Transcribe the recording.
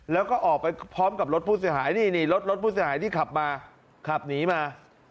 แล้วก็ออกไปพร้อมกับรถผู้เสียหายที่ขับหนีมา